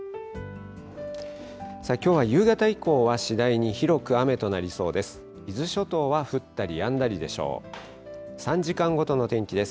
きょうは夕方以降は、次第に広く雨となりそうです。